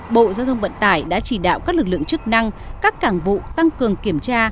bộ giao thông vận tải đã chỉ đạo các lực lượng chức năng các cảng vụ tăng cường kiểm tra